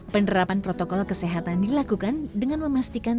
penerapan protokol kesehatan dilakukan dengan memastikan